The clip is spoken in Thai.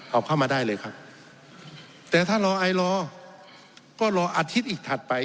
เอาเข้ามาได้เลยครับแต่ถ้ารอไอรอก็รออาทิตย์อีกถัดไป